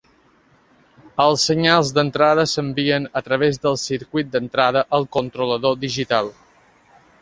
Els senyals d'entrada s'envien a través del circuit d'entrada al controlador digital.